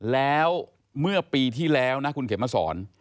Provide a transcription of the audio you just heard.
แล้วเมื่อปีที่แล้วนะคุณเข็มมาสอน